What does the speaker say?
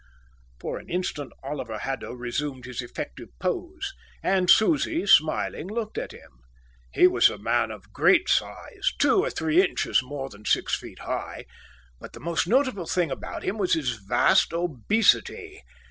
For an instant Oliver Haddo resumed his effective pose; and Susie, smiling, looked at him. He was a man of great size, two or three inches more than six feet high; but the most noticeable thing about him was a vast obesity.